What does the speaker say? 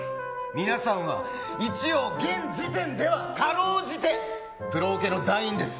皆さんは一応現時点では辛うじてプロオケの団員です。